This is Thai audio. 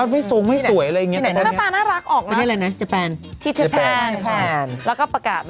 คุณโจ้ภงใจมาก